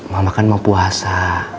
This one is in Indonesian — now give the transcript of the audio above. mama kan mau puasa